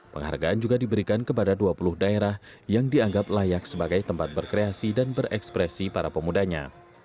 penghargaan juga diberikan kepada dua puluh daerah yang dianggap layak sebagai tempat berkreasi dan berekspresi para pemudanya